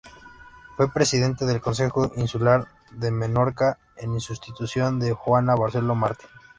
Fue presidente del Consejo Insular de Menorca, en sustitución de Joana Barceló Martí.